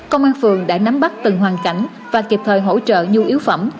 công an phường đã nắm bắt từng hoàn cảnh và kịp thời hỗ trợ nhu yếu phẩm